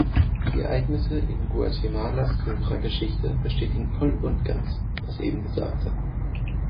Die Ereignisse in Guatemalas jüngerer Geschichte bestätigen voll und ganz das eben Gesagte.